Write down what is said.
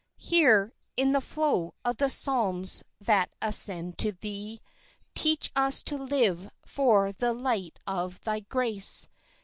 Here, in the flow of the psalms that ascend to Thee, Teach us to live for the light of Thy grace.